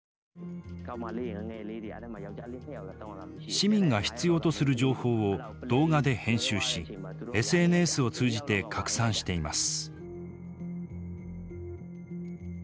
市民が必要とする情報を動画で編集しＳＮＳを通じて拡散しています。